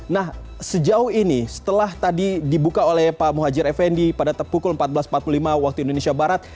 nah sejauh ini setelah tadi dibuka oleh pak muhajir effendi pada pukul empat belas empat puluh lima waktu indonesia barat